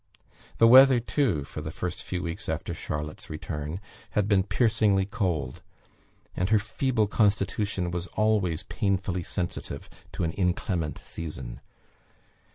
The weather, too, for the first few weeks after Charlotte's return, had been piercingly cold; and her feeble constitution was always painfully sensitive to an inclement season.